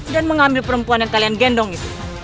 dan mengambil perempuan yang kalian gendong itu